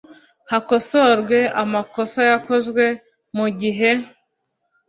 Hakosorwe amakosa yakozwe mu gihe